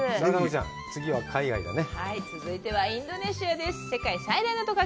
次は海外だね。